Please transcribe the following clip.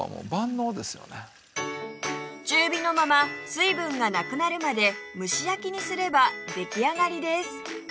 中火のまま水分がなくなるまで蒸し焼きにすれば出来上がりです